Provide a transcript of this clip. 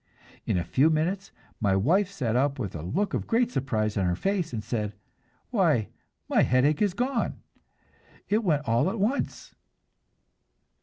In a few minutes my wife sat up with a look of great surprise on her face and said, "Why, my headache is gone! It went all at once!"